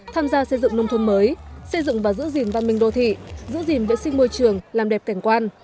tham gia xây dựng nông thôn mới xây dựng và giữ gìn văn minh đô thị giữ gìn vệ sinh môi trường làm đẹp cảnh quan